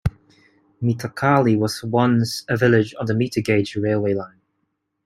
Mithakali was once a village on the meter-gauge railway line.